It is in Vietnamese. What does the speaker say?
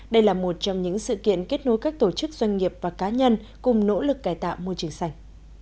đây là một trong những sự kiện kết nối các tổ chức doanh nghiệp và cá nhân cùng nỗ lực cài tạo môi trường xanh